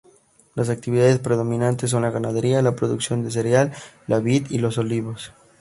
Las actividades predominantes son la ganadería, la producción cereal, la vid y los olivos.